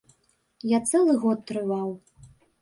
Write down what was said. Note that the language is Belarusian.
Я цэлы год трываў.